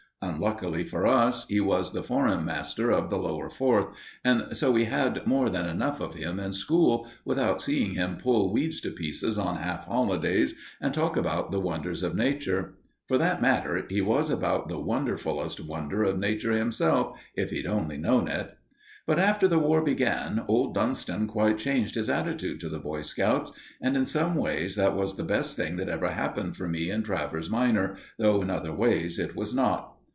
Unluckily for us, he was the Forum master of the Lower Fourth, and so we had more than enough of him in school, without seeing him pull weeds to pieces on half holidays and talk about the wonders of Nature. For that matter, he was about the wonderfullest wonder of Nature himself, if he'd only known it. But after the War began, old Dunston quite changed his attitude to the Boy Scouts, and, in some ways, that was the best thing that ever happened for me and Travers minor, though in other ways it was not.